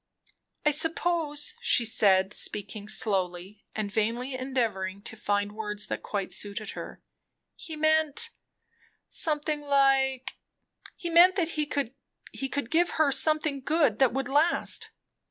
"I suppose," she said, speaking slowly, and vainly endeavouring to find words that quite suited her, "he meant something like He meant, that he could give her something good, that would last."